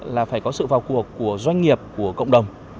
là phải có sự vào cuộc của doanh nghiệp của cộng đồng